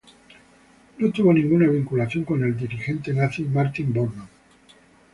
No tuvo ninguna vinculación con el dirigente nazi Martin Bormann.